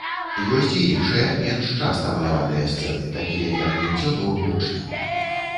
Ёсць і іншыя, менш часта маляваныя сцэны, такія як мыццё ног вучням.